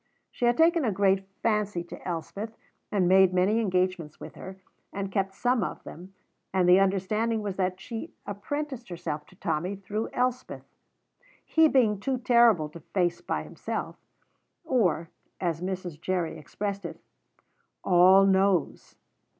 She had taken a great fancy to Elspeth, and made many engagements with her, and kept some of them, and the understanding was that she apprenticed herself to Tommy through Elspeth, he being too terrible to face by himself, or, as Mrs. Jerry expressed it, "all nose."